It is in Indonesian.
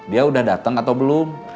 dia udah datang atau belum